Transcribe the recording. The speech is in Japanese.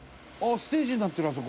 ステージになってるあそこ！」